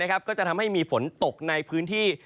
ก็จะทำให้มีฝนตกในพื้นที่